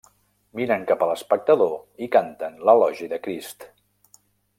Miren cap a l'espectador i canten l'elogi de Crist.